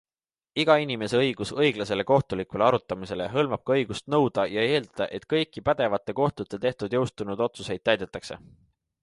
Iga inimese õigus õiglasele kohtulikule arutamisele hõlmab ka õigust nõuda ja eeldada, et kõiki pädevate kohtute tehtud jõustunud otsuseid täidetakse.